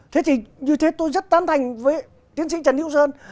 thế thì như thế tôi rất tân thành với tiến sĩ trần hiếu sơn